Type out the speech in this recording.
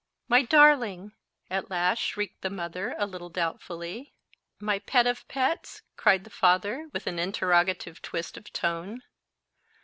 "My darling!" at last shrieked the mother, a little doubtfully. "My pet of pets?" cried the father, with an interrogative twist of tone.